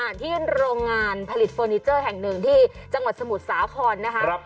ที่โรงงานผลิตเฟอร์นิเจอร์แห่งหนึ่งที่จังหวัดสมุทรสาครนะคะ